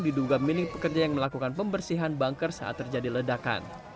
diduga milik pekerja yang melakukan pembersihan banker saat terjadi ledakan